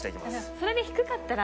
それで低かったら。